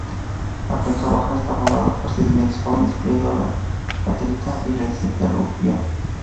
La cuenca baja está formada por sedimentos jóvenes, incluyendo laterita y reciente aluvión.